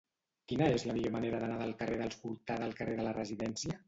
Quina és la millor manera d'anar del carrer dels Cortada al carrer de la Residència?